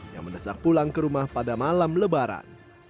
yang mendesak pulang ke rumah pada malam lebaran